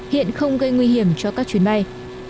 hiện không gây nguy hiểm cho các chuyến bay